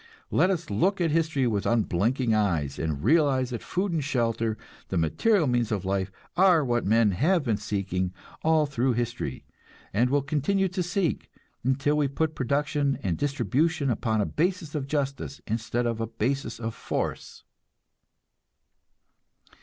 Let us look at history with unblinking eyes, and realize that food and shelter, the material means of life, are what men have been seeking all through history, and will continue to seek, until we put production and distribution upon a basis of justice, instead of a basis of force."